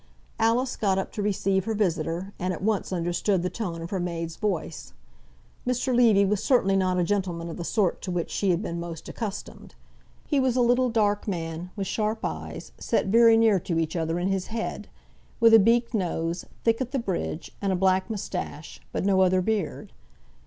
Alice got up to receive her visitor, and at once understood the tone of her maid's voice. Mr. Levy was certainly not a gentleman of the sort to which she had been most accustomed. He was a little dark man, with sharp eyes, set very near to each other in his head, with a beaked nose, thick at the bridge, and a black moustache, but no other beard.